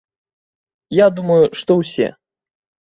Я думаю, што ўсе.